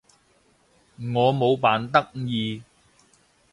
我冇扮得意